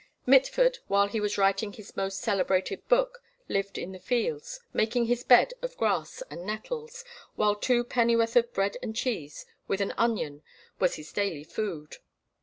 Mitford, while he was writing his most celebrated book, lived in the fields, making his bed of grass and nettles, while two pennyworth of bread and cheese with an onion was his daily food.